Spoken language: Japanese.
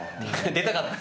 出たかった？